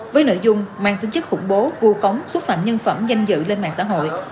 với nội dung mang tính chức khủng bố vô cống xúc phạm nhân phẩm danh dự lên mạng xã hội